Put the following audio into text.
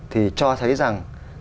thì cho thấy rằng